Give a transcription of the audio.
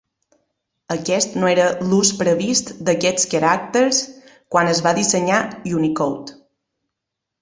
Aquest no era l'ús previst d'aquests caràcters quan es va dissenyar Unicode.